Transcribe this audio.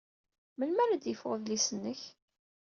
Melmi ara d-yeffeɣ udlis-nnek?